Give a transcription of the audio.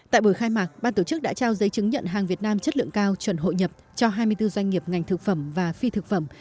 tại buổi khai mạc ban tổ chức đã trao giấy chứng nhận hàng việt nam chất lượng cao chuẩn hội nhập cho hai mươi bốn doanh nghiệp ngành thực phẩm và phi thực phẩm